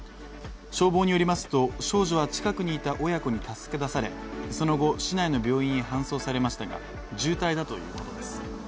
消防によりますと少女は近くにいた親子に助け出されその後、市内の病院へ搬送されましたが重体だということです。